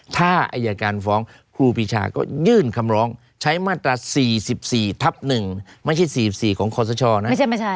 ถ้าอายการฟ้องครูปีชาก็ยื่นคำร้องใช้มาตรา๔๔ทับ๑ไม่ใช่๔๔ของคอสชนะ